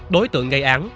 đối tượng gây án